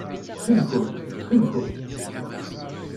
Ttxil-kent! Ttxil-kent!